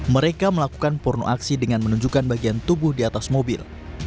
mereka melakukan porno aksi dengan menunjukkan bagian tubuh di atas mobil